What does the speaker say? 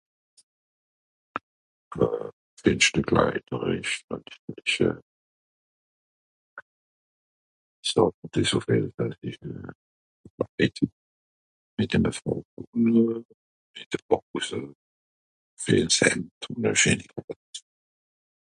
Incompréhensible.